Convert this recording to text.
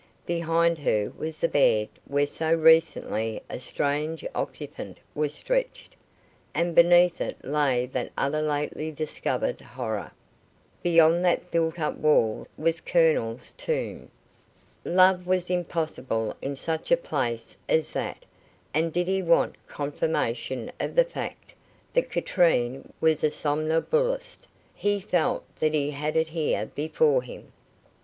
Behind her was the bed where so recently a strange occupant was stretched, and beneath it lay that other lately discovered horror. Beyond that built up wall was the Colonel's tomb. Love was impossible in such a place as that; and did he want confirmation of the fact that Katrine was a somnambulist, he felt that he had it here before him.